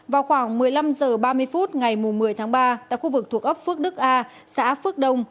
vào khoảng một mươi năm h ba mươi phút ngày một mươi tháng ba tại khu vực thuộc ấp phước đức a xã phước đông